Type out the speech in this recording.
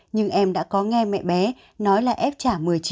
nhưng em đã có nghe mẹ bé nói là ép trả một mươi chín